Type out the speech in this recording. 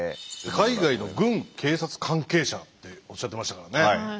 海外の軍警察関係者っておっしゃってましたからね。